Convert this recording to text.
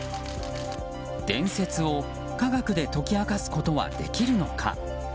伝説を科学で解き明かすことはできるのか。